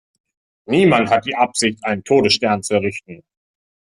Niemand hat die Absicht, einen Todesstern zu errichten!